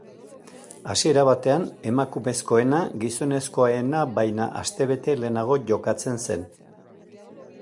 Hasiera batean, emakumezkoena gizonezkoena baina aste bete lehenago jokatzen zen.